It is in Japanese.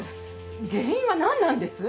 原因は何なんです？